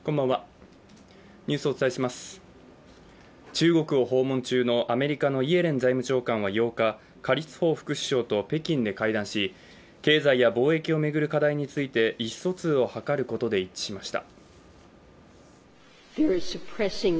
中国を訪問中のアメリカのイエレン財務長官は８日何立峰副首相と北京で会談し、経済や貿易を巡る課題について意思疎通を図ることで一致しました。